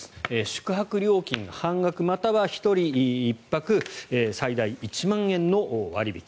宿泊料金が半額または１人１泊最大１万円の割引。